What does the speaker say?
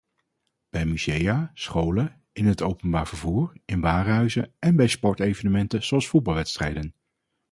Bij musea, scholen, in het openbaar vervoer, in warenhuizen en bij sportevenementen zoals voetbalwedstrijden.